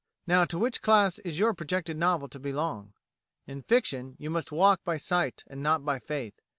Now, to which class is your projected novel to belong? In fiction you must walk by sight and not by faith.